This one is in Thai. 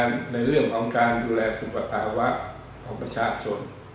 ในเรื่องของการดูแลสุขภาวะของประชาชน